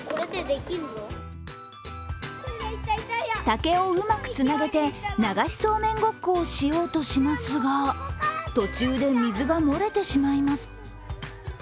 竹をうまくつなげて流しそうめんごっこをしようとしますが途中で水が漏れてしまいます。